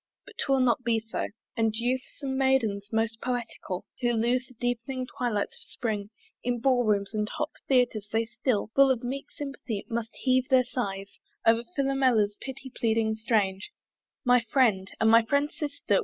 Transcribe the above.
But 'twill not be so; And youths and maidens most poetical Who lose the deep'ning twilights of the spring In ball rooms and hot theatres, they still Full of meek sympathy must heave their sighs O'er Philomela's pity pleading strains. My Friend, and my Friend's Sister!